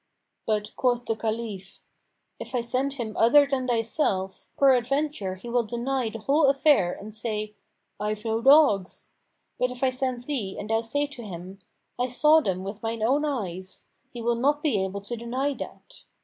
But quoth the Caliph, "If I send him other than thyself, peradventure he will deny the whole affair and say, 'I've no dogs.' But if I send thee and thou say to him, 'I saw them with mine own eyes,' he will not be able to deny that.